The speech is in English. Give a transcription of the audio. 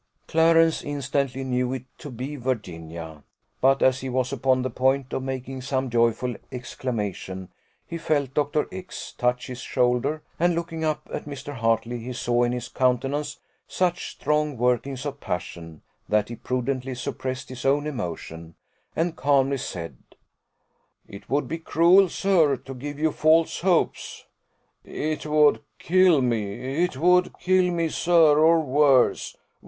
Clarence instantly knew it to be Virginia; but as he was upon the point of making some joyful exclamation, he felt Dr. X touch his shoulder, and looking up at Mr. Hartley, he saw in his countenance such strong workings of passion, that he prudently suppressed his own emotion, and calmly said, "It would be cruel, sir, to give you false hopes." "It would kill me it would kill me, sir! or worse!